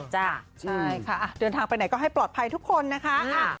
ใช่ค่ะเดินทางไปไหนก็ให้ปลอดภัยทุกคนนะคะ